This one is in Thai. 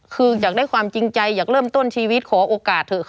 คืออยากได้ความจริงใจอยากเริ่มต้นชีวิตขอโอกาสเถอะค่ะ